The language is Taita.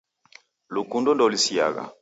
Lukundo ndelusiagha.